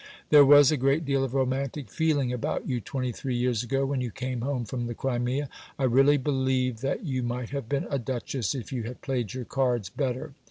There was a great deal of romantic feeling about you 23 years ago when you came home from the Crimea (I really believe that you might have been a Duchess if you had played your cards better!).